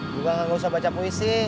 gua gak usah baca puisi